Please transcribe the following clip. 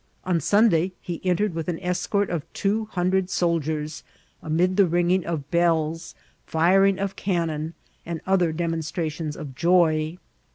On Sunday he entered with an escort of two hundred sddieis, amid the ringing of bells, firing of cannon, and other demonstrations of joy.